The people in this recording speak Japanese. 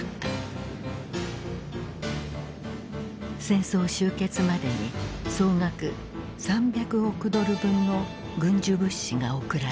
戦争終結までに総額３００億ドル分の軍需物資が送られた。